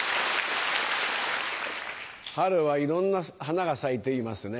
春はいろんな花が咲いていますね。